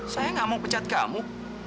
saya nggak mau pecat kamu